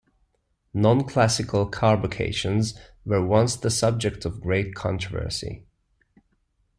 "Non-classical" carbocations were once the subject of great controversy.